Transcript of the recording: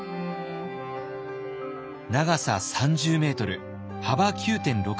長さ３０ｍ幅９．６ｍ。